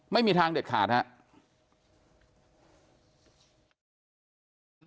ไม่มีทางเด็ดขาดครับ